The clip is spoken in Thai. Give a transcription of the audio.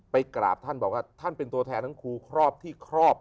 กราบท่านบอกว่าท่านเป็นตัวแทนทั้งครูครอบที่ครอบ